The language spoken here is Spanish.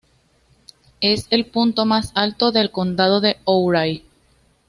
Es el punto más alto del condado de Ouray.